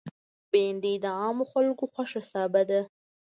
بېنډۍ د عامو خلکو خوښ سابه ده